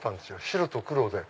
白と黒で。